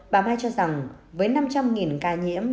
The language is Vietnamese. bà mai cho rằng với năm trăm linh ca nhiễm